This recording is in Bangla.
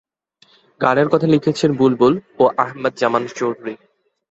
গানের কথা লিখেছেন বুলবুল ও আহমদ জামান চৌধুরী।